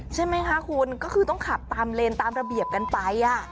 ใช่ไหมคะคุณก็คือต้องขับตามเลนตามระเบียบกันไป